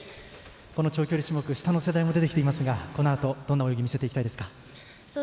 この長距離種目下の世代も出てきていますがこのあと、どんな泳ぎを見せていきたいですか？